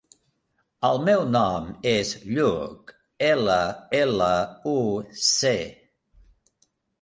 El meu nom és Lluc: ela, ela, u, ce.